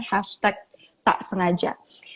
hashtag tak sengaja